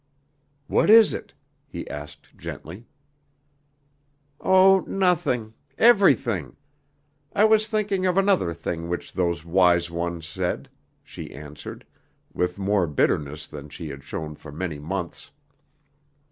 "What is it?" he asked gently. "Oh, nothing, everything! I was thinking of another thing which those wise ones said," she answered, with more bitterness than she had shown for many months.